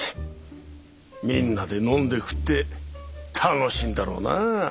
みんなで飲んで食って楽しいんだろうなぁ！